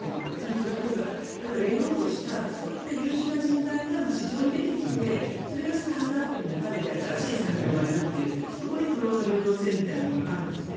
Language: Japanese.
そういうところがレイオフをしたそういった優秀な人材が市場に出てきてそれがスタートアップに流れて新しい産業が生まれるというそこに雇用の流動性みたいなものがあるんですね。